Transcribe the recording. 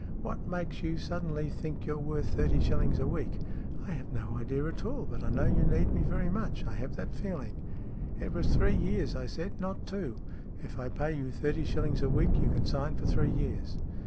" What makes you suddenly think you're worth thirty shillings a week ?"" I have no idea at all, but I know you need me very much. I have that feeling." " It was three years I said, not two. If I pay you thirty shillings a week, you can sign for three years."